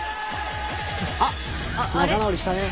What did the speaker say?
あっ仲直りしたね。